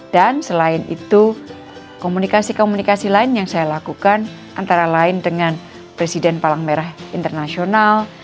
dan selain itu komunikasi komunikasi lain yang saya lakukan antara lain dengan presiden palang merah internasional